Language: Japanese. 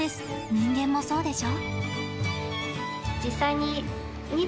人間もそうでしょ？